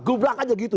gublak aja gitu